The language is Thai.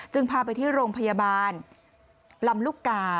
พาไปที่โรงพยาบาลลำลูกกา